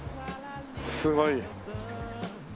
すごい。